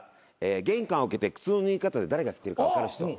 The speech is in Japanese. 玄関を開けて靴の脱ぎ方で誰が来てるか分かる人。